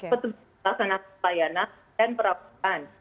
petugas melaksanakan pelayanan dan perabotan